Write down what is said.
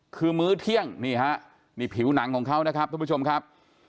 คือมื้อเที่ยงนี่ฮะนี่ผิวหนังของเขานะครับทุกผู้ชมครับ